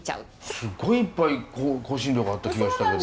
すっごいいっぱい香辛料があった気がしたけど。